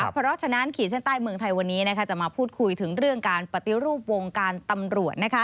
เพราะฉะนั้นขีดเส้นใต้เมืองไทยวันนี้จะมาพูดคุยถึงเรื่องการปฏิรูปวงการตำรวจ